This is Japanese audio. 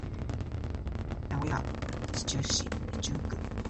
名古屋市中区